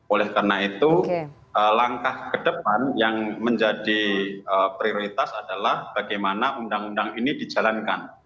oleh karena itu langkah ke depan yang menjadi prioritas adalah bagaimana undang undang ini dijalankan